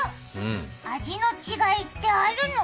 味の違いってあるの？